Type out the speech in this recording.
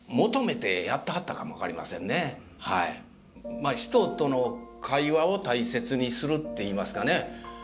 まあ人との会話を大切にするっていいますかね